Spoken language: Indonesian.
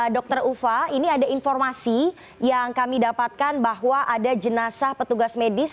dr uva ini ada informasi yang kami dapatkan bahwa ada jenazah petugas medis